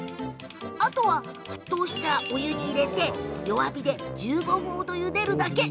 あとは、沸騰したお湯に入れて弱火で１５分程ゆでるだけ。